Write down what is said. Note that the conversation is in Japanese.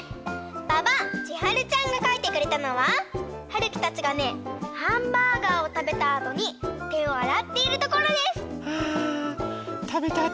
ばばちはるちゃんがかいてくれたのははるきたちがねハンバーガーをたべたあとにてをあらっているところです！